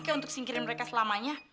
oke untuk singkirin mereka selamanya